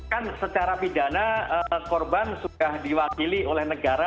kan secara pidana korban sudah diwakili oleh negara